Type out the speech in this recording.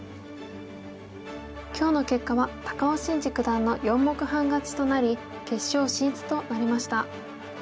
今日の結果は高尾紳路九段の４目半勝ちとなり決勝進出となりました。